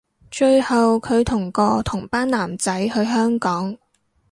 最後距同個同班男仔去香港